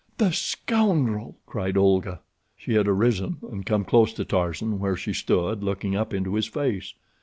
"The scoundrel!" cried Olga. She had arisen, and come close to Tarzan, where she stood looking up into his face.